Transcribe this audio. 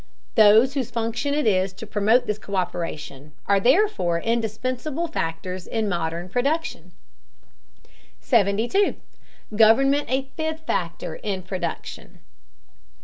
Those whose function it is to promote this co÷peration are, therefore, indispensable factors in modern production. 72. GOVERNMENT A FIFTH FACTOR IN PRODUCTION.